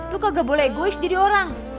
lu kagak boleh egois jadi orang